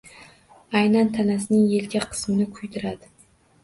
Aynan tanasining yelka qismini kuydiradi.